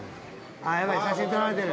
あっやばい写真撮られてる。